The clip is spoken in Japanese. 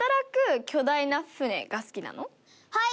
はい。